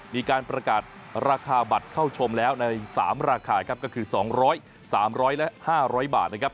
มีการประกาศราคาบัตรเข้าชมแล้วใน๓ราคาครับก็คือ๒๐๐๓๐๐และ๕๐๐บาทนะครับ